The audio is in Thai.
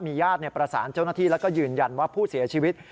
ญาติประสานเจ้าหน้าที่แล้วก็ยืนยันว่าผู้เสียชีวิต